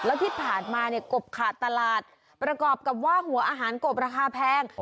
แล้วที่ผ่านมาเนี่ยกบขาดตลาดประกอบกับว่าหัวอาหารกบราคาแพง